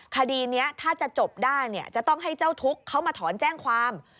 คดีนี้ถ้าจะจบได้เนี่ยจะต้องให้เจ้าทุกข์เขามาถอนแจ้งความ